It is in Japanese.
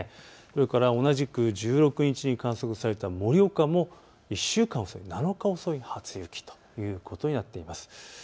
それから同じく１６日に観測された盛岡も１週間遅い、７日遅い初雪ということになっています。